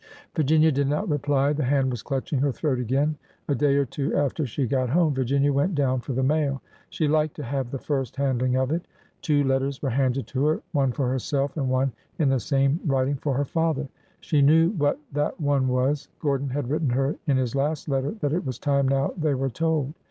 5 Virginia did not reply. The hand was clutching her | throat again. ji A day or two after she got home, Virginia went ? down for the mail. She liked to have the first handling J of it. I Two letters were handed to her — one for herself and ) one, in the same writing, for her father. She knew what i that one was. Gordon had written her in his last letter | that it was time now they were told.